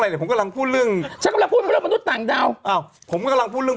อยากเอาสระสะเฮียด์จังเลย